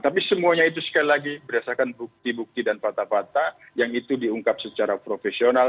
tapi semuanya itu sekali lagi berdasarkan bukti bukti dan fakta fakta yang itu diungkap secara profesional